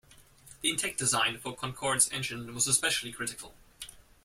The intake design for Concorde's engines was especially critical.